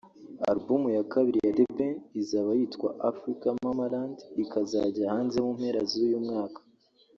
Alubumu ya kabiri ya The Ben izaba yitwa Africa Mamaland ikazajya hanze mu mpera z’uyu mwaka